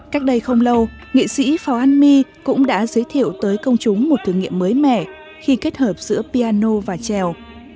các đây không lâu nghị sĩ phào an my cũng đã giới thiệu tới công chúng một thử nghiệm mới mẻ khi kết hợp giữa piano và trèo